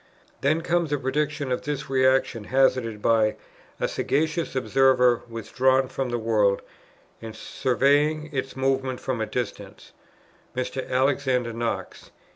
Then comes the prediction of this re action hazarded by "a sagacious observer withdrawn from the world, and surveying its movements from a distance," Mr. Alexander Knox.